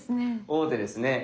王手ですね。